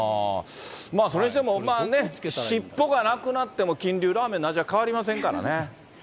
それにしてもまあね、尻尾がなくなっても、金龍ラーメンの味は変わりませんからね。